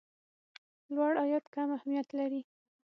لوړ عاید کم اهميت لري.